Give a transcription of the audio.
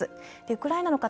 ウクライナの方